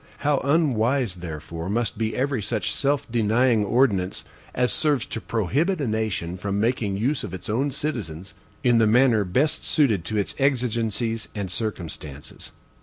How unwise, therefore, must be every such self denying ordinance as serves to prohibit a nation from making use of its own citizens in the manner best suited to its exigencies and circumstances!